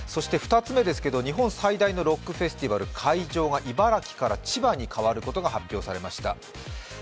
２つ目ですけれども、日本最大のロックフェスティバル、会場が茨城から千葉に変わることが初されました。